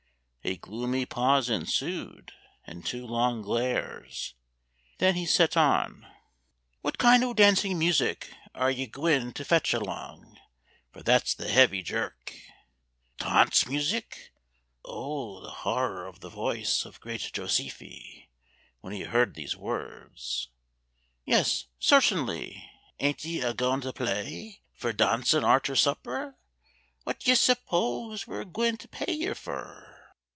A gloomy pause Ensued, and two long glares. Then he set on, "What kind o' dancing music are ye gwine To fetch along? for that's the heavy jerk." "Tantz musik!" Oh, the horror of the voice Of great Josephi when he heard these words. "Yes, certinly. Ain't ye a goin' to play Fur dancing arter supper? Wot d'ye s'pose We're gwine to pay yer fur?"